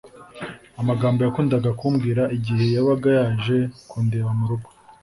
amagambo yakundaga kumbwira igihe yabaga yaje kundeba mu rugo